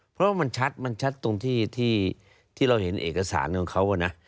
เพราะว่ามันชัดมันชัดตรงที่เราเห็นเอกสารของเขานะ